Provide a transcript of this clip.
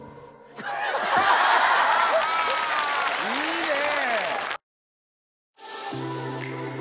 いいね！